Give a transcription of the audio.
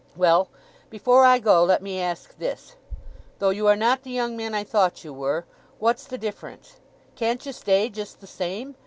Well, before I go, let me ask this: Though you are not the young man I thought you were, what's the difference? Can't ye stay just the same?